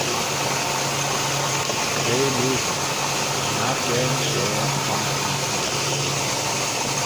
"Bea Nooghyn; yn argane share son Chreesteeaght."